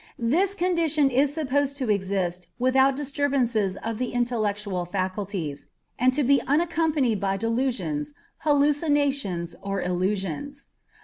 This condition is supposed to exist without disturbances of the intellectual faculties, and to be unaccompanied by delusions, hallucinations, or illusions.